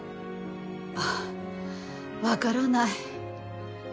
ああ分からない。